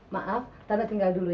maaf karena tinggal dulu ya